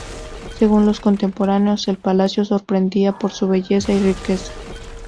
Según los contemporáneos, el palacio sorprendía por su belleza y riqueza.